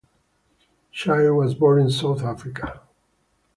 Childe was born in South Africa.